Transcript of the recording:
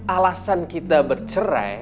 alasan kita bercerai